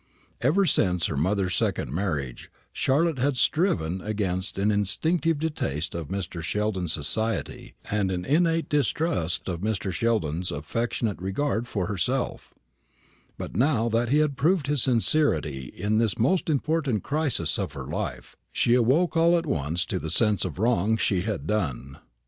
Ever since her mother's second marriage Charlotte had striven against an instinctive distaste for Mr. Sheldon's society, and an innate distrust of Mr. Sheldon's affectionate regard for herself; but now that he had proved his sincerity in this most important crisis of her life, she awoke all at once to the sense of the wrong she had done.